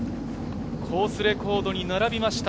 コースレコードに並びました。